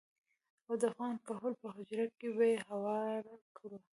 او د افغان کهول په حجره کې به يې هوار کړو.